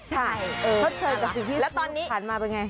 ใช่เพราะเชิญกับสิ่งที่สุดผ่านมาเป็นไง